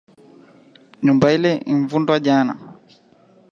Nyumba ile invundwa jana